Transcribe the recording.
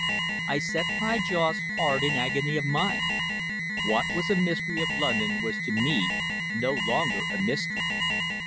I set my jaws hard in agony of mind. What was a mystery of London was to me no longer a mystery!